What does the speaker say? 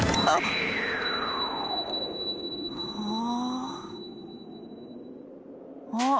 ああ。